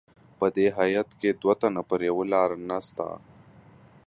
په دې هیات کې دوه تنه پر یوه لار نسته.